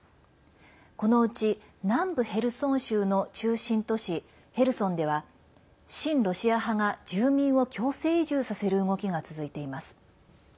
このうち、南部ヘルソン州の中心都市ヘルソンでは親ロシア派が住民を強制移住させる動きが続いています。